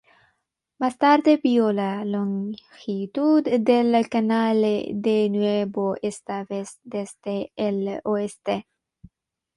Más tarde vio la longitud del canal de nuevo, esta vez desde el oeste.